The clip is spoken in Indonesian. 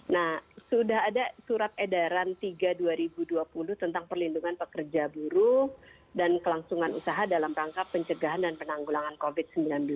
nah sudah ada surat edaran tiga dua ribu dua puluh tentang perlindungan pekerja buruh dan kelangsungan usaha dalam rangka pencegahan dan penanggulangan covid sembilan belas